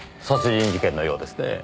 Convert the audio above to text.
殺人事件のようですね。